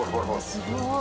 すごい！